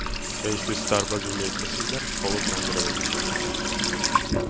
დღეისთვის დარბაზული ეკლესიიდან ნანგრევები შემორჩა.